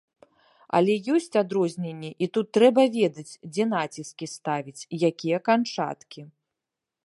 Але ёсць адрозненні, і тут трэба ведаць, дзе націскі ставіць, якія канчаткі.